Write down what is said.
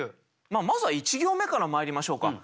まずは１行目からまいりましょうか。